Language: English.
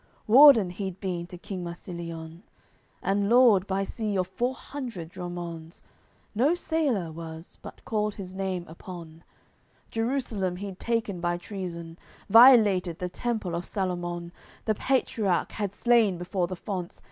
Warden he'd been to king Marsilion, And lord, by sea, of four hundred dromonds; No sailor was but called his name upon; Jerusalem he'd taken by treason, Violated the Temple of Salomon, The Partiarch had slain before the fonts.